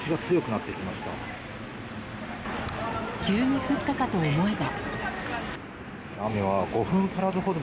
急に降ったかと思えば。